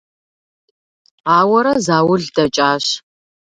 Ауэрэ заул дэкӀащ.